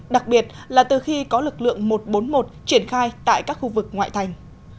đặc biệt là từ khi có lực lượng một trăm bốn mươi một triển khai tại các khu vực ngoại thành